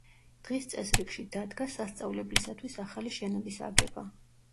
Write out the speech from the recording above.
დღის წესრიგში დადგა სასწავლებლისათვის ახალი შენობის აგება.